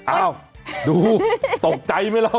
อ้าวดูตกใจไหมล่ะ